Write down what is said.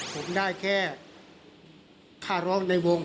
ผมได้แค่ค่าร้องในวง